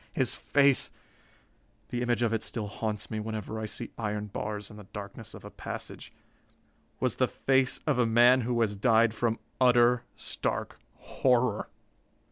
His face the image of it still haunts me whenever I see iron bars in the darkness of a passage was the face of a man who has died from utter, stark horror.